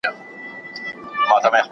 زه پرون پوښتنه کوم؟